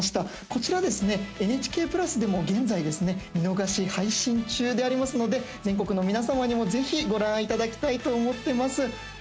こちらですね、ＮＨＫプラスでも現在、見逃し配信中でありますので全国の皆様にもぜひ、ご覧いただきたいと思ってます。